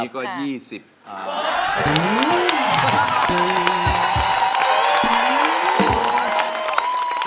ฝั่งโน้นพี่นุ่มปีนี้ก็๒๐